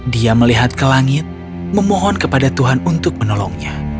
dia melihat ke langit memohon kepada tuhan untuk menolongnya